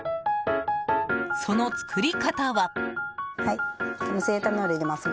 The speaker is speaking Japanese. その作り方は。